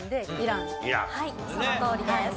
はいそのとおりです。